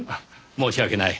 申し訳ない。